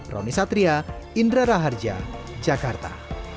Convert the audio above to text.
roni satria indra raharja jakarta